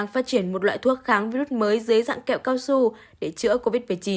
phát triển một loại thuốc kháng virus mới dưới dạng kẹo cao su để chữa covid một mươi chín